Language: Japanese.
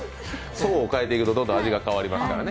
層を変えていくと、味が変わりますからね。